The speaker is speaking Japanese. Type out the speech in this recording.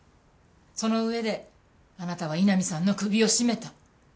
その上であなたは井波さんの首を絞めた。